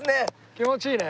気持ちいいね。